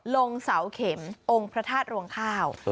ลงเสาเข็มองค์พระธาตุรวงข้าว